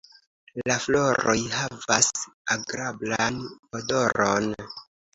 La floroj havas agrablan odoron.